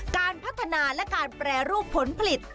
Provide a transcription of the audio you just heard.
การพัฒนาและการแปรรูปผลผลิต